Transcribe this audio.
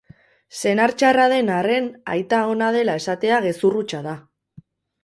Senar txarra den arren aita ona dela esatea gezur hutsa da.